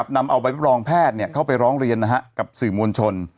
นำเอาใบรับรองแพทย์เข้าไปร้องเรียนกับสื่อมวลชน